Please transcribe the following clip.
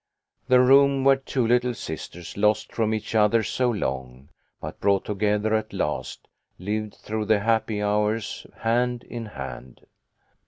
The room where two little sisters lost from each other so long, but brought together at last, lived through the happy hours, hand in hand.